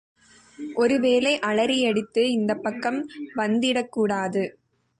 ஒருவேளை அலறியடித்து இந்தப்பக்கம் வந்திடக்கூடாது.